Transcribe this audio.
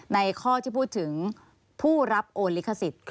ในข้อที่พูดถึงผู้รับโอนลิขสิทธิ์